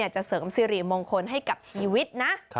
เสริมสิริมงคลให้กับชีวิตนะ